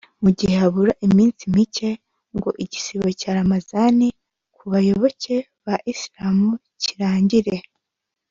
Mu gihe habura iminsi mike ngo igisibo cya Ramadhan ku bayoboke ba Isilamu kirangire